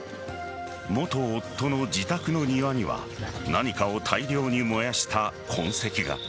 元夫の自宅の庭には何かを大量に燃やした痕跡が。